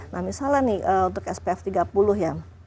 nah misalnya nih untuk spf tiga puluh ya